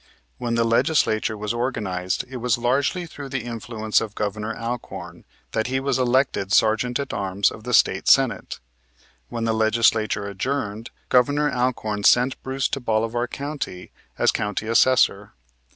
When the Legislature was organized it was largely through the influence of Governor Alcorn that he was elected Sergeant at arms of the State Senate. When the Legislature adjourned Governor Alcorn sent Bruce to Bolivar county as County Assessor.